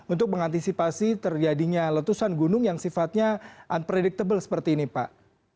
untuk mengantisipasi terjadinya letusan gunung yang sifatnya unpredictable seperti ini pak